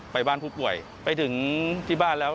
ไปบ้านผู้ป่วยไปถึงที่บ้านแล้ว